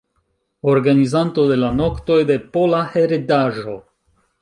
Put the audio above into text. Organizanto de la Noktoj de Pola Heredaĵo.